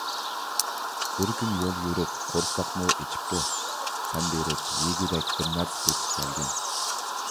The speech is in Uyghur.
بىر كۈن يول يۈرۈپ قورساقمۇ ئېچىپتۇ. سەن بېرىپ يېگۈدەك بىرنەرسە تېپىپ كەلگىن.